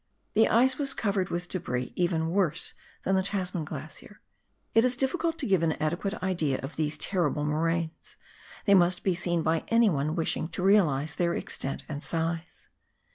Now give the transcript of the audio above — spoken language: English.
The ice was covered with debris even worse than the Tasman Glacier. It is diflScult to give an adequate idea of these terrible moraines, they must be seen by anyone wishing to realise their extent and size.